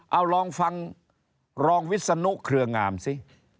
เอาลองฟังรองวิศนุเครืองามสิ